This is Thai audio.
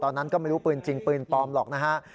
ตอนนั้นก็ไม่รู้ปืนจริงปืนปลอมหรอกนะฮะ